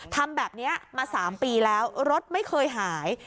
ทำแบบนี้มา๓ปีแล้วรถไม่เคยหาย